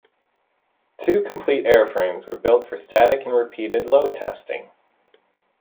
Two complete airframes were built for static and repeated load testing.